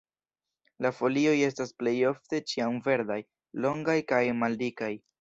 La folioj estas plejofte ĉiamverdaj, longaj kaj maldikaj.